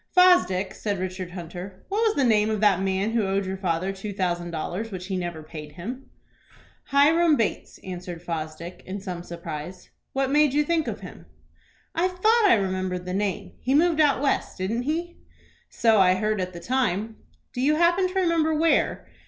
"Fosdick," said Richard Hunter, "what was the name of that man who owed your father two thousand dollars, which he never paid him?" "Hiram Bates," answered Fosdick, in some surprise. "What made you think of him?" "I thought I remembered the name. He moved out West, didn't he?" "So I heard at the time." "Do you happen to remember where?